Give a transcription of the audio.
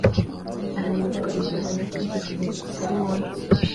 ahanishwa igihano cy igifungo kitari munsi